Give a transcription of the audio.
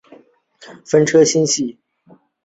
风车星系。